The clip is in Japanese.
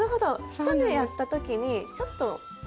１目やった時にちょっとずらす。